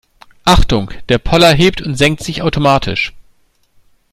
Achtung, der Poller hebt und senkt sich automatisch.